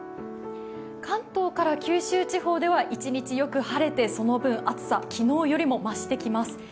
関東から九州地方では一日よく晴れて、その分暑さ、昨日よりも増してきます。